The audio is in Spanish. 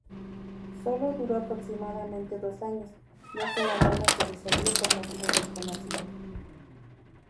Sólo duró aproximadamente dos años ya que la banda se disolvió por motivos desconocidos.